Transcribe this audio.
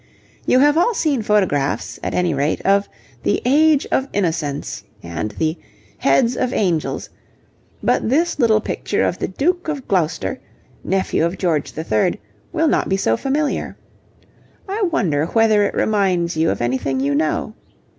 You have all seen photographs, at any rate, of the 'Age of Innocence' and the 'Heads of Angels,' but this little picture of the Duke of Gloucester, nephew of George III., will not be so familiar. I wonder whether it reminds you of anything you know?